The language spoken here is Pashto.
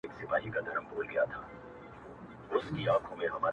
یخه سایه په دوبي ژمي کي لمبه یمه زه،